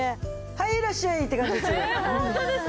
はいいらっしゃいって感じです。